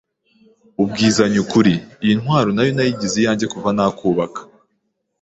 UBWIZANYA UKURI: Iyi ntwaro nayo nayigize iyanjye kuva nakubaka.